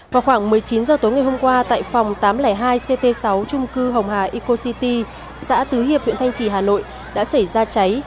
vào khoảng một mươi chín h tối ngày hôm qua tại phòng tám trăm linh hai ct sáu trung cư hồng hà ico city xã tứ hiệp huyện thanh trì hà nội đã xảy ra cháy